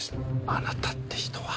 あなたって人は。